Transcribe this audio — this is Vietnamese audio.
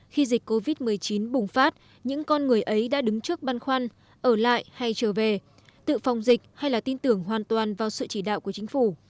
khi dịch covid một mươi chín bùng phát những con người ấy đã đứng trước băn khoăn ở lại hay trở về tự phòng dịch hay là tin tưởng hoàn toàn vào sự chỉ đạo của chính phủ